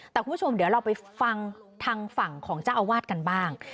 แต่คุณผู้ชมเดี๋ยวเราไปฟังทางฝั่งของเจ้าอาวาสกันบ้าง